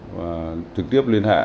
và trực tiếp liên hệ